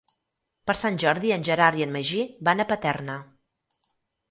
Per Sant Jordi en Gerard i en Magí van a Paterna.